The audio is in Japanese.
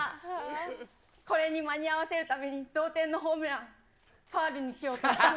きょうだってさ、これに間に合わせるために同点のホームラン、ファウルにしようとしたの。